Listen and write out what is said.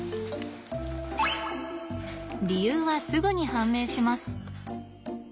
理由はすぐに判明します。